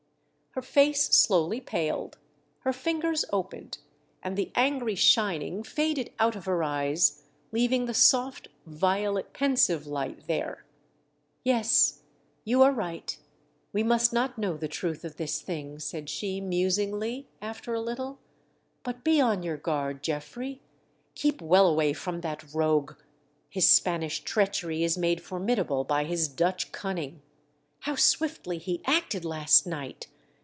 Her face slowly paled, her fingers opened, and the angry shining faded out of her eyes leaving the soft, violet pensive light there. " Yes, you are right ; we must not know the truth of this thing," said she, musingly, after a little. " But be on your guard, Geoffrey ; keep well away from that rogue. His Spanish treachery is made formidable by his Dutch cunning. How swiftly he acted last night!